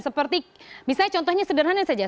seperti misalnya contohnya sederhana saja